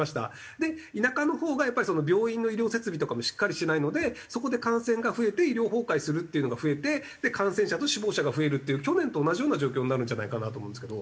で田舎のほうがやっぱり病院の医療設備とかもしっかりしてないのでそこで感染が増えて医療崩壊するっていうのが増えて感染者と死亡者が増えるっていう去年と同じような状況になるんじゃないかなと思うんですけど。